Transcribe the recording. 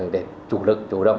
để chủ lực chủ động